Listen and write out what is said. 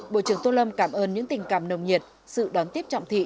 bộ trưởng tô lâm cảm ơn những tình cảm nồng nhiệt sự đón tiếp trọng thị